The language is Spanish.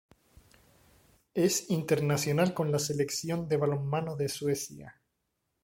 Es internacional con la selección de balonmano de Suecia.